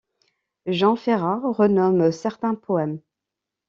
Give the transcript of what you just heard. Jean Ferrat renomme certains poèmes.